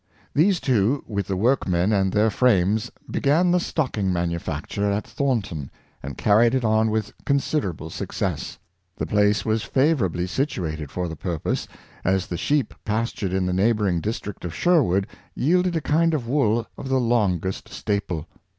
These two, with the workmen and their frames, began the stocking manufacture at Thornton, and carried it on with considerable success. The place was favorably situated for the purpose, as the sheep pastured in the neighboring district of Sherwood yielded a kind of wool of the longest staple.